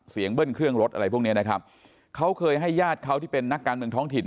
เบิ้ลเครื่องรถอะไรพวกเนี้ยนะครับเขาเคยให้ญาติเขาที่เป็นนักการเมืองท้องถิ่น